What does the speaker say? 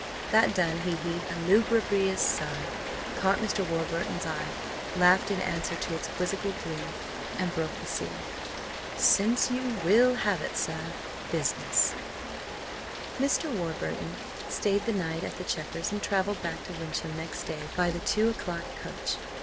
That done, he heaved a lugubrious sigh, caught Mr. Warburton's eye, laughed in answer to its quizzical gleam, and broke the seal. "Since you will have it, sir–business!" Mr. Warburton stayed the night at the Chequers and travelled back to Wyncham next day by the two o'clock coach.